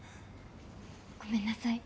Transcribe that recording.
ごめんなさい。